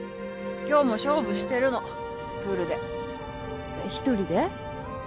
今日も勝負してるのプールで一人で？